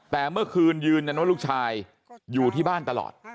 แต่เมื่อคืนยืนยันว่าลูกชายอยู่ที่บ้านตลอด